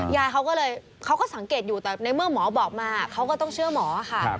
ยายเขาก็เลยเขาก็สังเกตอยู่แต่ในเมื่อหมอบอกมาเขาก็ต้องเชื่อหมอค่ะ